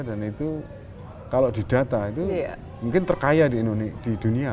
dan itu kalau didata itu mungkin terkaya di dunia